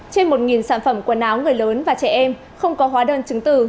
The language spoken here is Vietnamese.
trên một sản phẩm quần áo người lớn và trẻ em không có hóa đơn chứng từ